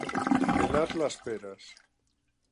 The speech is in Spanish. Pelar las peras.